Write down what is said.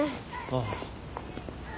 ああ。